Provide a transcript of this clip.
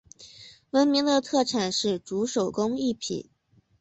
闻名的特产是竹手工艺品。